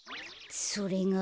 それが。